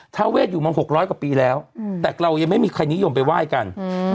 ทาเวทอยู่มา๖๐๐กว่าปีแล้วแต่เรายังไม่มีใครนิยมไปไหว้กัน